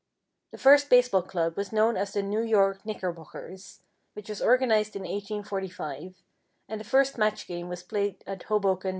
The first baseball club was known as the New York Knickerbockers, which was organized in 1845, and the first match game was played at Hoboken, N.